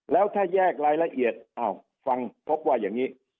แล้วถ้าแยกรายละเอียดอ้าวฟังพบว่าอย่างนี้